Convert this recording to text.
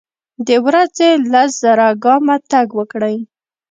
د ورځي لس زره ګامه تګ وکړئ.